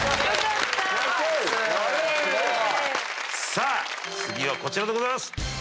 さあ次はこちらでございます。